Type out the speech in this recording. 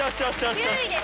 ９位です